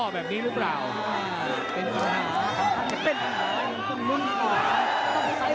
จะเป็นอีกหน่อย